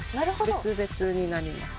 別々になります